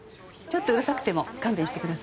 ちょっとうるさくても勘弁してくださいね。